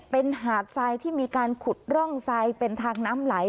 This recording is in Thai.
เป็นหาดทรายที่มีการขุดร่องทรายเป็นทางน้ำไหล